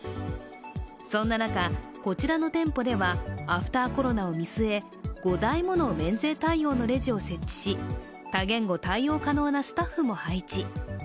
そんな中、こちらの店舗ではアフターコロナを見据え５台もの免税対応のレジを設置し多言語対応可能なスタッフも配置。